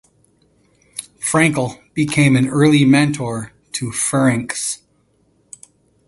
Frankel became an early mentor to Ferencz.